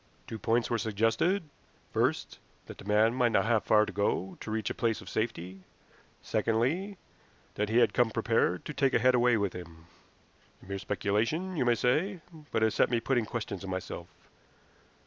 Two points were suggested first, that the man might not have far to go to reach a place of safety; secondly, that he had come prepared to take a head away with him. A mere speculation, you may say, but it set me putting questions to myself.